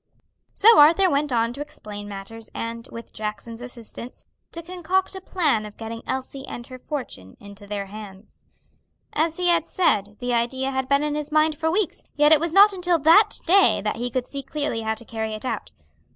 So Arthur went on to explain matters and, with Jackson's assistance, to concoct a plan of getting Elsie and her fortune into their hands. As he had said, the idea had been in his mind for weeks, yet it was not until that day that he could see clearly how to carry it out.